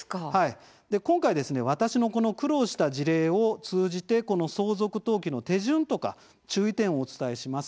今回ですね、私のこの苦労した事例を通じてこの相続登記の手順とか注意点をお伝えします。